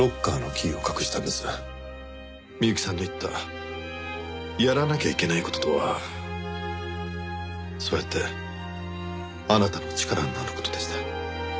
美由紀さんの言ったやらなきゃいけない事とはそうやってあなたの力になる事でした。